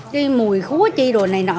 cái mùi khúa chi đồ này nọ